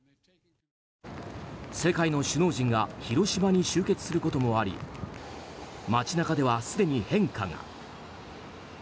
世界の首脳陣が広島に集結することもあり街中では、すでに変化が。